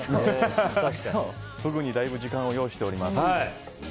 フグにだいぶ時間を要しております。